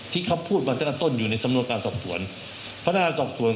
ที่เขาพูดจากต้นอยู่ในสำนวนการศพสวนพระนาคตกส่วน